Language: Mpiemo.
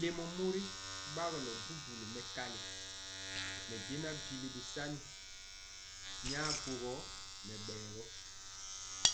Lémɔ mori bagɔlɔ bubuli mɛkali nɛ jɛnaŋ bili sani nyaŋ gugɔ nɛ bɛɛgɔ.